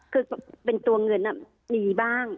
คือเป็นตัวเงินมีบ้าง